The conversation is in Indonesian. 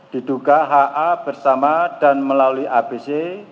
diduga ha bersama dan melalui abc